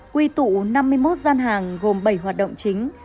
quy tụ năm mươi một gian hàng gồm bảy hoạt động chính